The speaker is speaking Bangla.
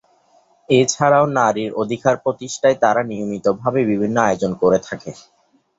এছাড়াও নারী অধিকার প্রতিষ্ঠায় তারা নিয়মিত ভাবে বিভিন্ন আয়োজন করে থাকে।